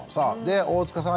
大塚さん